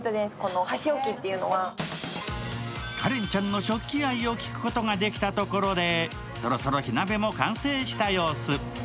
カレンちゃんの食器愛を聞くことができたところでそろそろ火鍋も完成した様子。